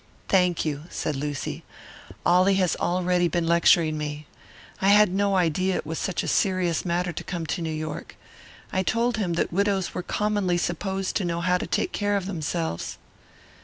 "Thank you," said Lucy. "Ollie has already been lecturing me. I had no idea it was such a serious matter to come to New York. I told him that widows were commonly supposed to know how to take care of themselves."